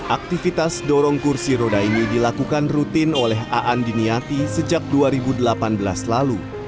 aktivitas dorong kursi roda ini dilakukan rutin oleh aan diniati sejak dua ribu delapan belas lalu